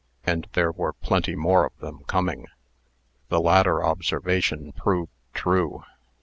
And there were plenty more of them coming. The latter observation proved true.